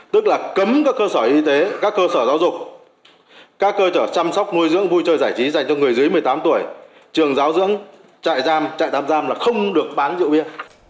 tức là cấm các cơ sở y tế các cơ sở giáo dục các cơ sở chăm sóc nuôi dưỡng vui chơi giải trí dành cho người dưới một mươi tám tuổi trường giáo dưỡng trại giam trại tạm giam là không được bán rượu bia